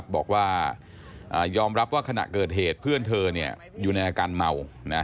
บอกว่ายอมรับว่าขณะเกิดเหตุเพื่อนเธออยู่ในอาการเมา